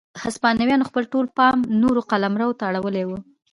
هسپانویانو خپل ټول پام نورو قلمرو ته اړولی و.